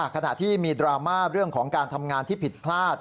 ขณะที่มีดราม่าเรื่องของการทำงานที่ผิดพลาด